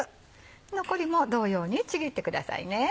残りも同様にちぎってくださいね。